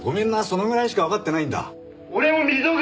そのぐらいしかわかってないんだ。